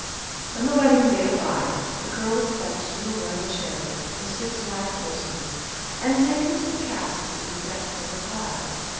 When the wedding day arrived, the girl was fetched in the Royal chariot with the six white horses, and taken to the castle to be decked as a bride.